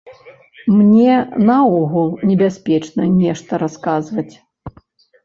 Мне наогул небяспечна нешта расказваць.